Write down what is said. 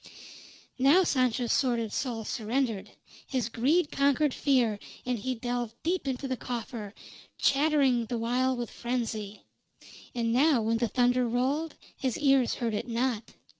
Now Sancho's sordid soul surrendered. His greed conquered fear, and he delved deep into a coffer, chattering the while with frenzy. And now when the thunder rolled, his ears heard it not.